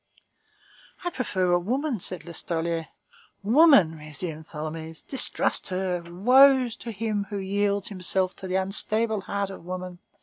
"I prefer a woman," said Listolier. "Woman," resumed Tholomyès; "distrust her. Woe to him who yields himself to the unstable heart of woman!